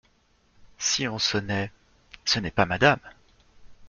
Si on sonnait … ce n'est pas MADAME.